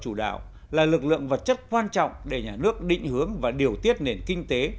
chủ đạo là lực lượng vật chất quan trọng để nhà nước định hướng và điều tiết nền kinh tế